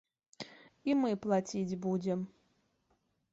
І мы плаціць будзем.